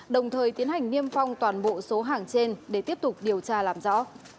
đồng thời tiến hành niêm phong toàn bộ số hàng trên để tiếp tục điều tra làm rõ